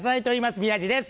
宮治です